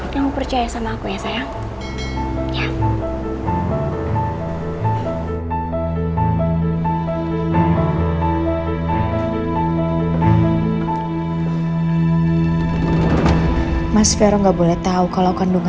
kamu percaya sama aku ya sayang